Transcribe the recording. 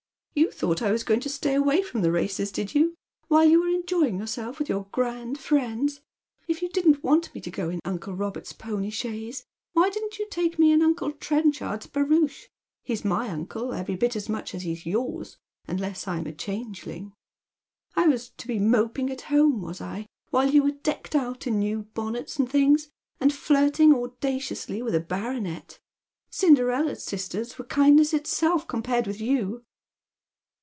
" You thouglit I was going to stay away fi om the races, did you ? while you were enjoying yourself with your grand fiiends. If you didn't want me to go in uncle Robert's pony chaise, why didn't you take me in uncle Tren chard's barouche ? He's my uncle every bit as much as he's yours, unless I'm a changeling. I was to be moping at home, was I, while you were decked out in new bonnets and things, and flirting audaciously with a baronet. Cinderella's sisters were kindness itself compared with you."